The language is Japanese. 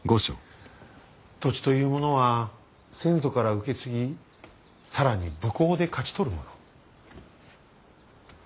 土地というものは先祖から受け継ぎ更に武功で勝ち取るもの。